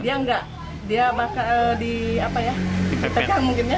dia nggak dia di apa ya di pepet